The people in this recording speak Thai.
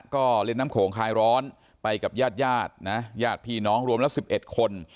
ก็เล่นน้ำโขงคลายร้อนไปกับญาติญาตินะญาติพี่น้องรวมละ๑๑คน